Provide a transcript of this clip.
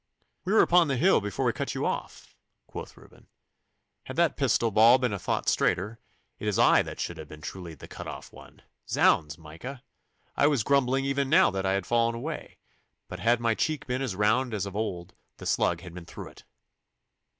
'We were upon the hill before we cut you off,' quoth Reuben. 'Had that pistol ball been a thought straighter, it is I that should have been truly the cut off one. Zounds, Micah! I was grumbling even now that I had fallen away, but had my cheek been as round as of old the slug had been through it.